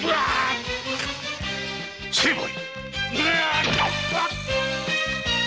成敗！